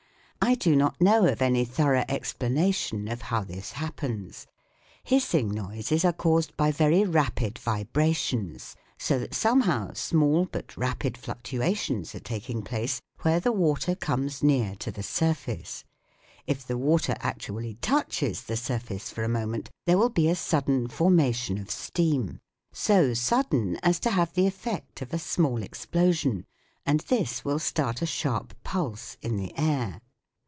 I do not know of any thorough explanation of how this happens. Hissing noises are caused by very rapid vibrations, so that somehow small but rapid fluctuations are taking place where the water 90 THE WORLD OF SOUND comes near to the surface. If the water actually touches the surface for a moment, there will be a sudden formation of steam, so sudden as to have the effect of a small explosion, and this will start a sharp pulse in the air.